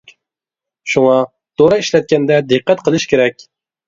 شۇڭا، دورا ئىشلەتكەندە دىققەت قىلىش كېرەك.